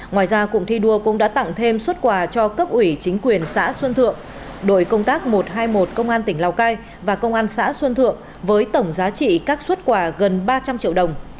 ngoài ra cụm thi đua cũng đã tặng thêm xuất quà cho cấp ủy chính quyền xã xuân thượng đội công tác một trăm hai mươi một công an tỉnh lào cai và công an xã xuân thượng với tổng giá trị các xuất quà gần ba trăm linh triệu đồng